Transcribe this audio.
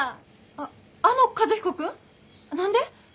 あっあの和彦君！？何で？